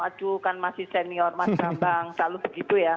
aduh kan masih senior mas bambang selalu begitu ya